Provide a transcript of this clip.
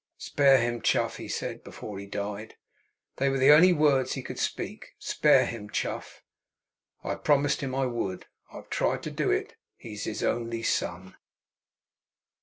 "Spare him, Chuff!" he said, before he died. They were the only words he could speak. "Spare him, Chuff!" I promised him I would. I've tried to do it. He's his only son.